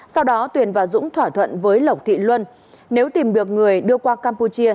sau đó tuyền và dũng thỏa thuận với lộc thị luân nếu tìm được người đưa qua campuchia